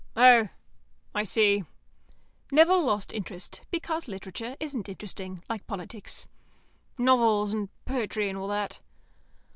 "Oh, I see." Nevill lost interest, because literature isn't interesting, like politics. "Novels and poetry, and all that."